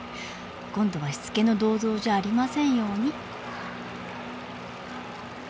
今度はしつけの銅像じゃありませんように。